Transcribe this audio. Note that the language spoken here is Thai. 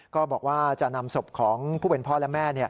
ก็บอกว่าจะนำศพของผู้เป็นพ่อและแม่